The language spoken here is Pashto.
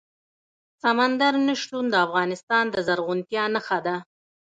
سمندر نه شتون د افغانستان د زرغونتیا نښه ده.